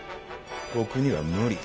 僕には無理だ。